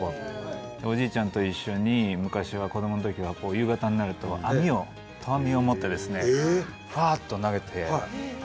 おじいちゃんと一緒に昔は子どものときは夕方になると網を投網を持ってですねふわっと投げてええ！